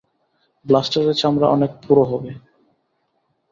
ব্লাস্টারের চামড়া অনেক পুরু হবে।